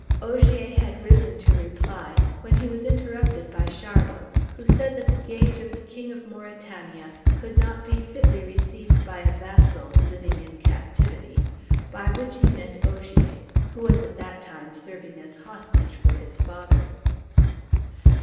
Ogier had risen to reply, when he was interrupted by Charlot, who said that the gage of the King of Mauritania could not fitly be received by a vassal, living in captivity; by which he meant Ogier, who was at that time serving as hostage for his father.